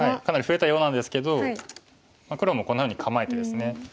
かなり増えたようなんですけど黒もこんなふうに構えてですね。